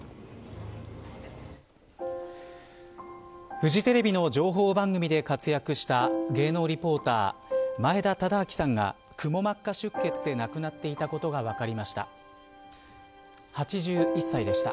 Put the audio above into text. フジテレビの情報番組で活躍した芸能リポーター、前田忠明さんがくも膜下出血で亡くなっていたことが分かりました。